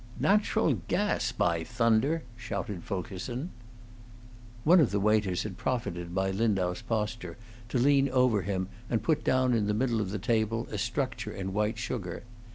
"Natural gas, by thunder!" shouted Fulkerson. One of the waiters had profited by Lindau's posture to lean over him and put down in the middle of the table a structure in white sugar.